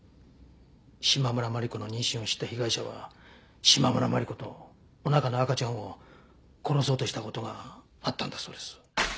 島村万里子の妊娠を知った被害者は島村万里子とお腹の赤ちゃんを殺そうとした事があったんだそうです。